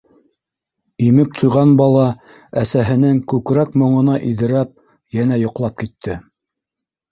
Имеп туйған бала әсәһенең күкрәк моңона иҙерәп, йәнә йоҡлап китте: